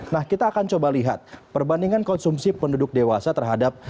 nah kita akan coba lihat perbandingan konsumsi penduduk dewasa terhadap